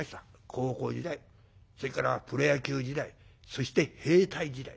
高校時代それからプロ野球時代そして兵隊時代。